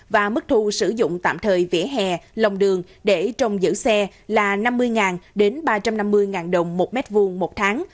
và mức thu sử dụng tạm thời vỉa hè lòng đường để trồng giữ xe là năm mươi ba trăm năm mươi đồng một m hai một tháng